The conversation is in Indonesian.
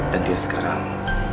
dan dia sekarang